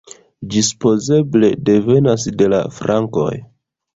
Ĝi supozeble devenas de la frankoj.